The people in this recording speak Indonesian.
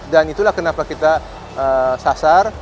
dan itulah kenapa kita sasar